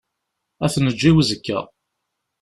Ad t-neǧǧ i uzekka.